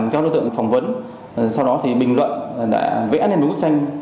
các đối tượng phỏng vấn sau đó thì bình luận đã vẽ lên bức tranh